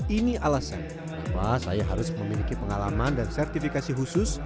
ini alasan kenapa saya harus memiliki pengalaman dan sertifikasi khusus